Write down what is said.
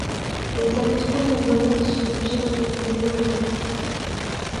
Elles avaient trouvé moyen de se réfugier dans quelque maison voisine.